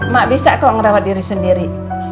mak bisa kok ngerawat diri sendiri